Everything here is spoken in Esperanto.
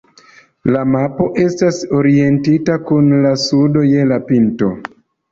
La mapo estas orientita kun la sudo je la pinto.